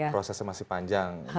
prosesnya masih panjang